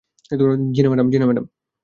জি না ম্যাডাম!